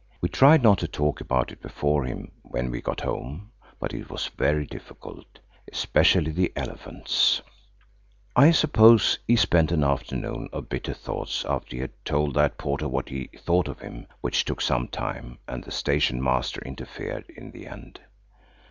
We tried not to talk about it before him when we got home, but it was very difficult–especially the elephants. I suppose he spent an afternoon of bitter thoughts after he had told that porter what he thought of him, which took some time, and the station master interfered in the end.